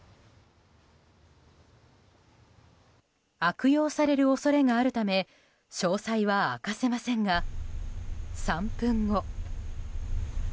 悪用される恐れがあるため詳細は明かせませんが、３分後。